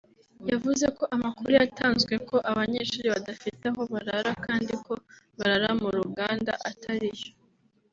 yavuze ko amakuru yatanzwe ko abanyeshuri badafite aho barara kandi ko barara mu ruganda atari yo